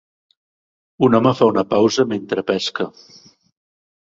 Un home fa una pausa mentre pesca